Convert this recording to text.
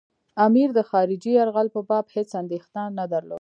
امیر د خارجي یرغل په باب هېڅ اندېښنه نه درلوده.